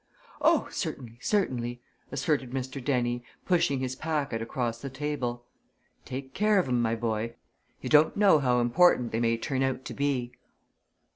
"Oh, certainly, certainly!" asserted Mr. Dennie, pushing his packet across the table. "Take care of 'em, my boy! ye don't know how important they may turn out to be."